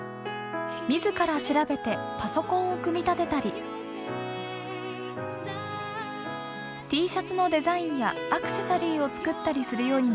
自ら調べてパソコンを組み立てたりＴシャツのデザインやアクセサリーを作ったりするようになりました。